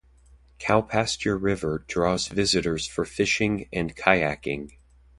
Cowpasture River draws visitors for fishing and kayaking.